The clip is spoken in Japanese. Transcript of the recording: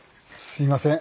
すいません。